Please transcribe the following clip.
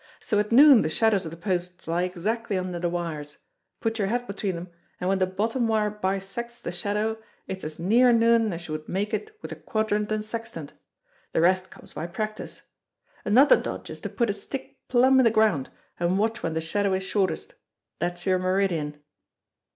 So at noon the shadows of the posts lie exactly under the wires: put your head between 'em, and when the bottom wire bisects the shadow it's as near noon as you would make it with a quadrant and sextant. The rest comes by practice. Another dodge is to put a stick plumb in the ground and watch when the shadow is shortest; that's your meridian."